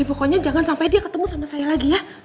pokoknya jangan sampai dia ketemu sama saya lagi ya